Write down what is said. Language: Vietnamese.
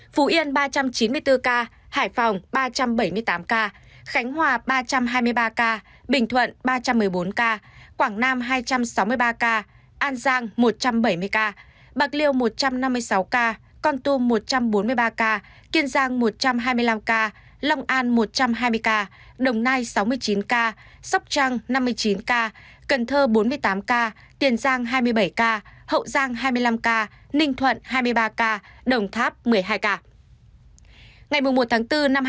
yên ba trăm chín mươi bốn ca hải phòng ba trăm bảy mươi tám ca khánh hòa ba trăm hai mươi ba ca bình thuận ba trăm một mươi bốn ca quảng nam hai trăm sáu mươi ba ca an giang một trăm bảy mươi ca bạc liêu một trăm năm mươi sáu ca con tum một trăm bốn mươi ba ca kiên giang một trăm hai mươi năm ca lòng an một trăm hai mươi ca đồng nai sáu mươi chín ca sóc trăng năm mươi chín ca cần thơ bốn mươi tám ca tiền giang hai mươi bảy ca hậu giang hai mươi năm ca ninh thuận hai mươi ba ca đồng tháp một mươi hai ca